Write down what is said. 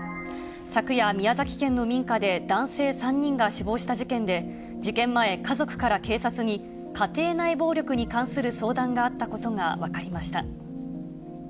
昨夜、宮崎県の民家で、男性３人が死亡した事件で、事件前、家族から警察に、家庭内暴力に関する相談があったことが分かりました。